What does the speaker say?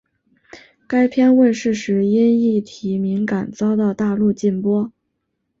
该片问世时因议题敏感遭到大陆禁播。